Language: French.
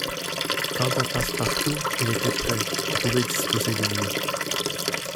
Quant à Passepartout, il était prêt, on pouvait disposer de lui.